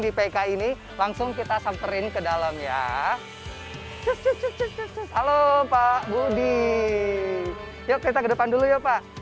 di pk ini langsung kita samperin ke dalam ya halo pak budi yuk kita ke depan dulu ya pak